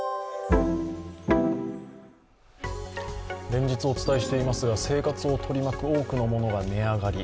連日お伝えしていますが生活を取り巻く多くのものが値上がり。